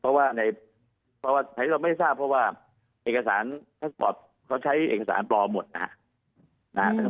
เพราะว่าในประวัติอันนี้เราไม่ทราบเพราะว่าเอกสารแท็กสปอร์ตเขาใช้เอกสารปลอมหมดนะครับ